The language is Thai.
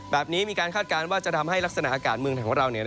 แบบนี้มีการคาดการณ์ว่าจะทำให้ลักษณะอากาศเมืองไทยของเรา